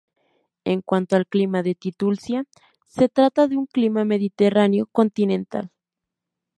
En cuanto al clima de Titulcia, se trata de un clima mediterráneo continental.